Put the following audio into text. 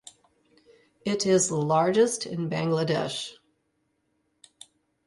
It is the largest in Bangladesh.